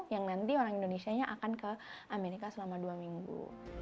yang nanti orang indonesianya akan ke amerika selama dua minggu